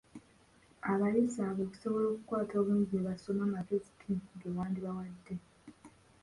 Abayizi abo okusobola okukwata obulungi by'obasomesa, magezi ki ge wandibawadde?